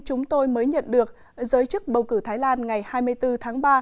chúng tôi mới nhận được giới chức bầu cử thái lan ngày hai mươi bốn tháng ba